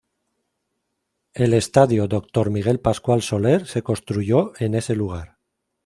El estadio Dr. Miguel Pascual Soler se construyó en ese lugar.